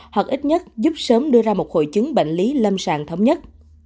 hoặc ít nhất giúp sớm đưa ra một hội chứng bệnh lý lâm sàng thống nhất